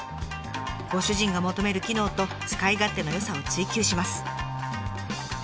ご主人が求める機能と使い勝手の良さを追求します。